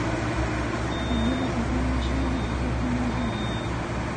سیندونه د افغان ماشومانو د زده کړې موضوع ده.